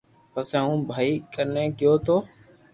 پسي ھون ڀائي ڪني گيو تو